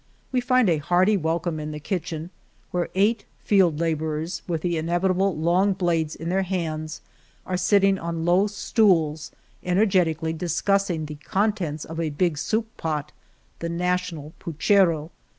We find a hearty welcome in the kitchen, where eight field laborers, with the inevitable long blades in their hands, are sitting on low stools energetically discussing the contents of a big soup pot, the national puchero.